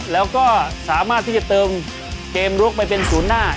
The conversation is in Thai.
แล้วก็สามารถที่จะเติมเกมลุกไปเป็นศูนย์หน้า